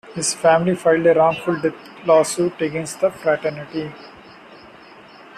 His family filed a wrongful death lawsuit against the fraternity.